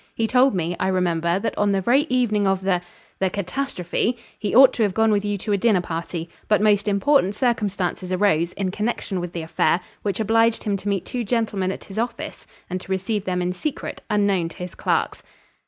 He told me, I remember, that on the very evening of the the catastrophe, he ought to have gone with you to a dinner party, but most important circumstances arose, in connection with the affair, which obliged him to meet two gentlemen at his office, and to receive them in secret, unknown to his clerks."